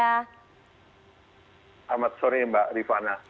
selamat sore mbak rifana